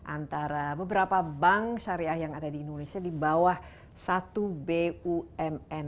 antara beberapa bank syariah yang ada di indonesia di bawah satu bumn